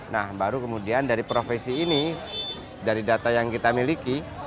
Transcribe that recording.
nah baru kemudian dari profesi ini dari data yang kita miliki